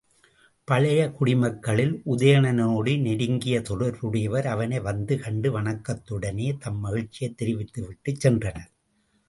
பழைய குடிமக்களில் உதயணனோடு நெருங்கிய தொடர்புடையவர் அவனை வந்து கண்டு வணக்கத்துடனே தம் மகிழ்ச்சியைத் தெரிவித்துவிட்டுச் சென்றனர்.